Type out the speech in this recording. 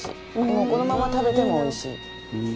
このまま食べてもおいしい。